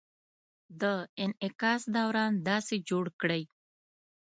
د انعکاس دوران داسې جوړ کړئ: